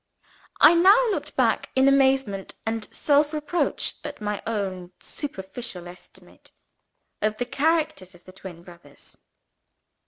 I now looked back in amazement and self reproach, at my own superficial estimate of the characters of the twin brothers.